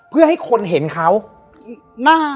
เพื่อให้คนเห็นเขา